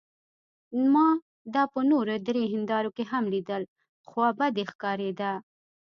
ما دا په نورو درې هندارو کې هم لیدل، خوابدې ښکارېده.